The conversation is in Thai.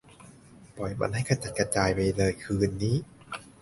ปล่อยมันให้กระจัดกระจายไปเลยคืนนี้